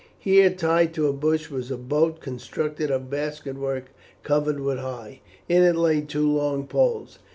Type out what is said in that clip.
Here tied to a bush was a boat constructed of basket work covered with hide. In it lay two long poles.